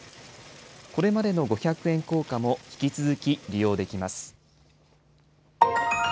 これまでの五百円硬貨も引き続き利用できます。